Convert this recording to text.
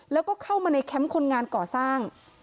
แล้วก็เข้ามาในแคมป์คนงานก่อสร้าง